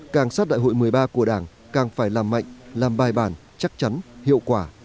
càng sát đại hội một mươi ba của đảng càng phải làm mạnh làm bài bản chắc chắn hiệu quả